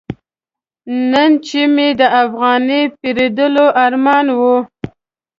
نن چې مې د افغاني پیر لیدلو ارمان و.